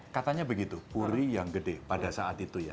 katanya begitu puri yang gede pada saat itu ya